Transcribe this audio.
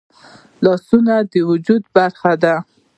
لاسونه د وجود برخه ده